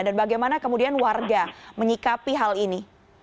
dan bagaimana kemudian warga menyikapi hal ini